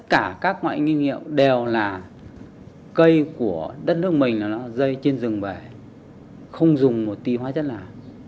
cả các loại nghiên nghiệm đều là cây của đất nước mình là nó rơi trên rừng bể không dùng một tí hóa chất nào